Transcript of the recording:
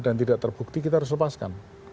dan tidak terbukti kita harus lepaskan